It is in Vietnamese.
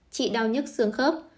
trị đau nhức xương khớp